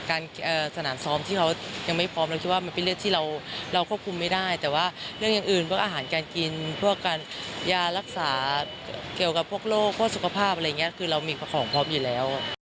อะไรอย่างนี้เรามีประของพร้อมอยู่แล้ว